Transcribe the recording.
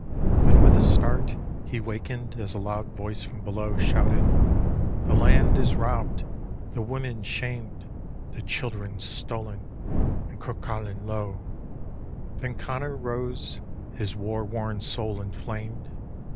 Then with a start He wakened as a loud voice from below Shouted, " The land is robbed, the women shamed, The children stolen, and Curculain low !" Then Connor rose, his war worn soul inflamed.